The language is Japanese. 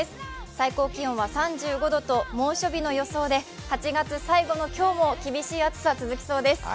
最高気温は３５度と猛暑日の予想で８月最後の今日も厳しい暑さが続きそうです。